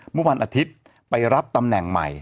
เมื่อวันอาทิตย์ไปรับตำแหน่งใหม่